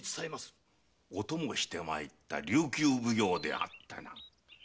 お供してまいった琉球奉行であったな？